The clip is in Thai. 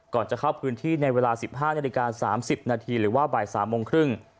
จะเข้าพื้นที่ในเวลา๑๕นาฬิกา๓๐นาทีหรือว่าบ่าย๓โมงครึ่ง